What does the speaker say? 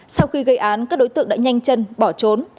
sau khi gây án các đối tượng đã nhanh chân bỏ trốn